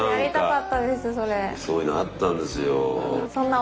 そういうのあったんですよ。